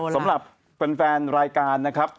สำหรับแฟนรายการนะครับ